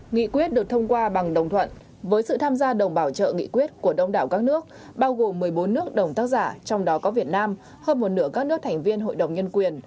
nghị quyết được thông qua bằng đồng thuận với sự tham gia đồng bảo trợ nghị quyết của đông đảo các nước bao gồm một mươi bốn nước đồng tác giả trong đó có việt nam hơn một nửa các nước thành viên hội đồng nhân quyền